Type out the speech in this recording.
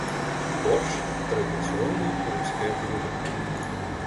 Борщ - традиционное русское блюдо.